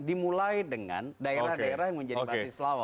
dimulai dengan daerah daerah yang menjadi basi selawan